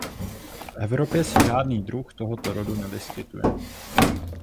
V Evropě se žádný druh tohoto rodu nevyskytuje.